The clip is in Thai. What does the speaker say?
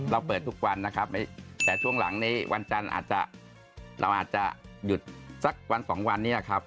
เราเปิดทุกวันนะครับแต่ช่วงหลังนี้วันจันทร์อาจจะเราอาจจะหยุดสักวันสองวันนี้ครับ